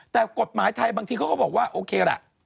แต่กฎหมายไทยบางทีเขาก็บอกว่าโอเคล่ะ